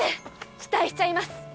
期待しちゃいます。